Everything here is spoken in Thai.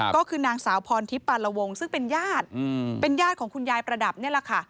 ก็คือนางสาวพรทิพย์ปาละวงซึ่งเป็นญาติเป็นญาติของคุณยายประดับนี่แหละค่ะ